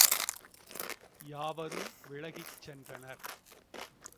யாவரும் விலகிச் சென்றனர்.